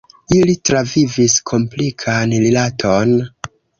Ili travivis komplikan rilaton.